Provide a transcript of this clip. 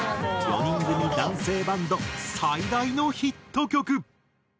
４人組男性バンド最大のヒット曲。